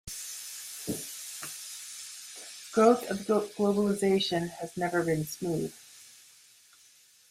Growth of globalization has never been smooth.